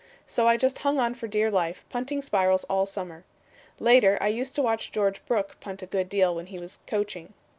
So I just hung on for dear life, punting spirals all summer. Later I used to watch George Brooke punt a good deal when he was coaching."